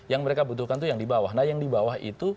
yang mereka butuhkan itu yang di bawah nah yang di bawah itu